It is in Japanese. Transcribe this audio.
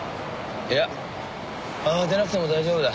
いや慌てなくても大丈夫だ。